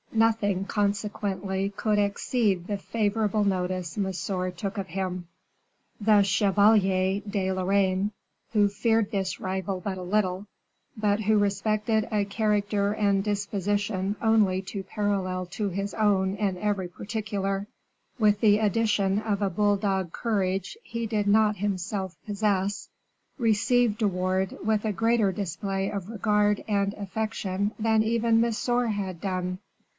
Nothing, consequently, could exceed the favorable notice Monsieur took of him. The Chevalier de Lorraine, who feared this rival but a little, but who respected a character and disposition only too parallel to his own in every particular, with the addition of a bull dog courage he did not himself possess, received De Wardes with a greater display of regard and affection than even Monsieur had done.